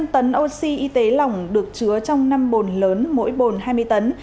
một trăm linh tấn oxy y tế lỏng được chứa trong năm bồn lớn mỗi bồn hai mươi tấn